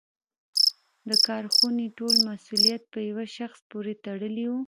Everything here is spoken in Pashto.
د کارخونې ټول مسوولیت په یوه شخص پورې تړلی و.